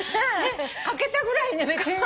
欠けたぐらいね別にね。